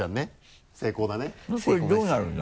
これどうなるんだ？